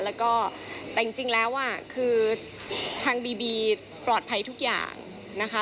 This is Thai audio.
แล้วก็แต่จริงแล้วคือทางบีบีปลอดภัยทุกอย่างนะคะ